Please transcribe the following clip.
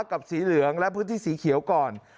กับสีเหลืองและพื้นที่สีเขียวก่อน